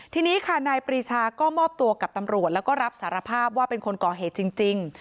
ทีนี้ค่ะนายปรีชาก็มอบตัวกับตำรวจแล้วก็รับสารภาพว่าเป็นคนก่อเหตุจริง